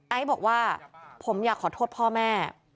บอกว่าผมอยากขอโทษพ่อแม่